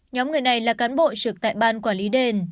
nhóm người này là cán bộ trực tại ban quản lý đền